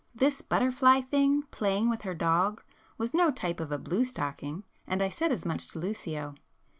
This butterfly thing, playing with her dog, was no type of a 'blue stocking,' and I said as much to Lucio.